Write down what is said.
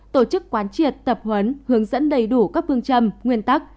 tổ chức quán triệt tập huấn hướng dẫn đầy đủ các phương châm nguyên tắc